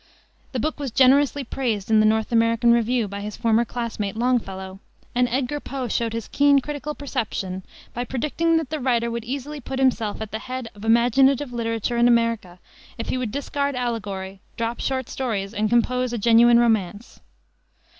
The book was generously praised in the North American Review by his former classmate, Longfellow; and Edgar Poe showed his keen critical perception by predicting that the writer would easily put himself at the head of imaginative literature in America if he would discard allegory, drop short stories and compose a genuine romance.